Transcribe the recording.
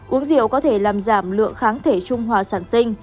uống rượu có thể làm giảm lượng kháng thể trung hòa sản sinh